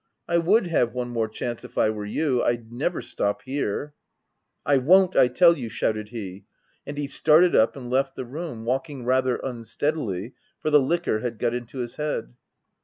I would have one more chance if I were you. I'd never stop here/ *'' I won't, I tell you V. shouted he. And he started up and left the room — walking rather unsteadily, for the liquor had got into his head.